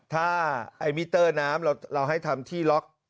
ถ้าไอ้มิเตอร์น้ำเราให้ทำที่ล็อก